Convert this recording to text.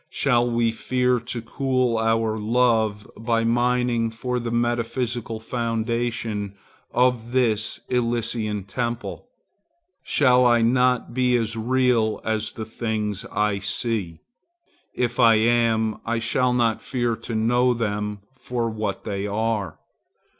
Shall we fear to cool our love by mining for the metaphysical foundation of this Elysian temple? Shall I not be as real as the things I see? If I am, I shall not fear to know them for what they are.